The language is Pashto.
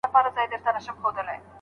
د اټکلي نکاح پايلي هيڅکله ښې نه خيژي.